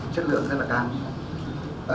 chất lượng rất là cao